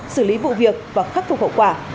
xử lý vụ việc và khắc phục hậu quả